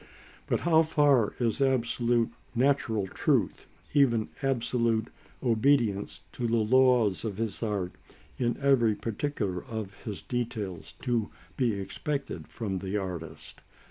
But how far is absolute natural truth, even absolute obedience to the laws of his art in every particular of his details, to be expected from the artist?